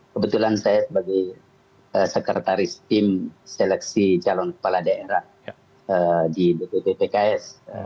kebetulan saya sebagai sekretaris tim seleksi calon kepala daerah di dpp pks